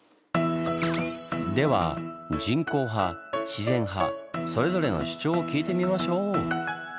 では人工派自然派それぞれの主張を聞いてみましょう！